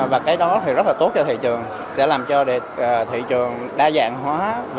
và cái đó thì rất là tốt cho thị trường sẽ làm cho thị trường đa dạng hóa